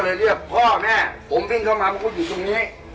เขาเลยเรียกพ่อแม่ผมเม่งเข้ามามันก็อยู่ตรงนี้